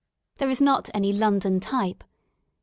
There is not any London type.